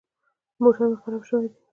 موټر مې خراب شوی دی.